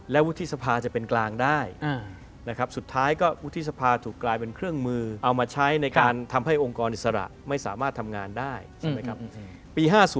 วุฒิสภาจะเป็นกลางได้นะครับสุดท้ายก็วุฒิสภาถูกกลายเป็นเครื่องมือเอามาใช้ในการทำให้องค์กรอิสระไม่สามารถทำงานได้ใช่ไหมครับ